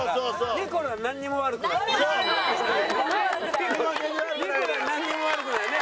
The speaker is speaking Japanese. ニコルはなんにも悪くないね。